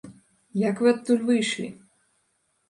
Як вы адтуль выйшлі?